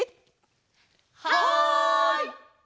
はい！